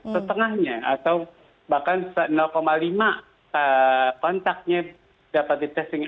setengahnya atau bahkan lima kontaknya dapat di testing